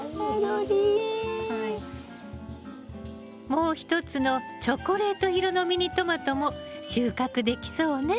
もう一つのチョコレート色のミニトマトも収穫できそうね！